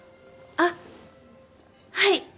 あっはい。